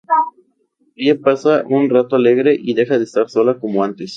Ella pasa un rato alegre y deja de estar sola como antes.